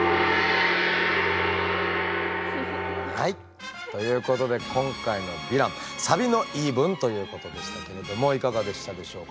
はいということで今回のヴィランサビの言い分ということでしたけれどもいかがでしたでしょうか。